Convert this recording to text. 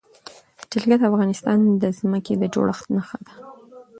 جلګه د افغانستان د ځمکې د جوړښت نښه ده.